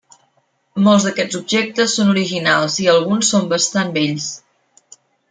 Molts d'aquests objectes són originals i alguns són bastant vells.